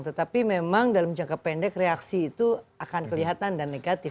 tetapi memang dalam jangka pendek reaksi itu akan kelihatan dan negatif